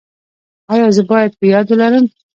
ایا زه باید په یاد ولرم؟